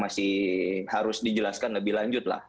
masih harus dijelaskan lebih lanjut lah